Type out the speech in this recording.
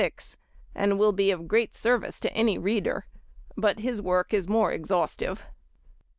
and will be of great service to any reader, but his work is more exhaustive.